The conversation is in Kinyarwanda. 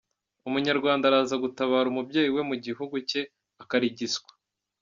Umunyarwanda araza gutabara umubyeyi we mu gihugu cye akarigiswa;